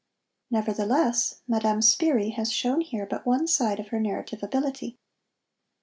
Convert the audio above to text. Nevertheless, Madame Spyri has shown here but one side of her narrative ability.